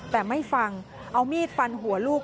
แต่ไม่ฟังเอามีดฟันหัวลูก